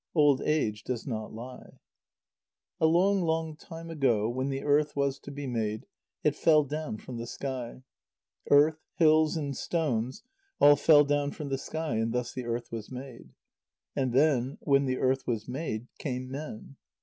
Old age does not lie. A long, long time ago, when the earth was to be made, it fell down from the sky. Earth, hills and stones, all fell down from the sky, and thus the earth was made. And then, when the earth was made, came men.